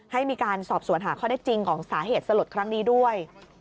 ให้มีการสอบสวนหาข้อได้จริงของสาเหตุสลดครั้งนี้ด้วย